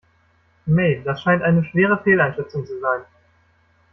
Mei, das scheint eine schwere Fehleinschätzung zu sein.